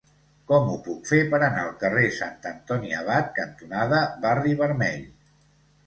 Com ho puc fer per anar al carrer Sant Antoni Abat cantonada Barri Vermell?